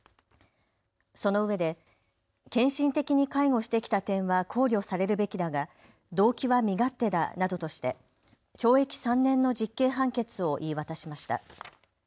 そのうえで献身的に介護してきた点は考慮されるべきだが動機は身勝手だなどとして懲役３年の実刑判決を言い渡しました。